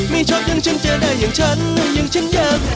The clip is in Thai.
ไม่ชอบอย่างฉันเจอได้อย่างฉันอย่างฉันอยาก